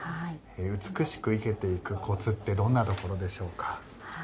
美しく生けていくコツってどんなところでしょうか。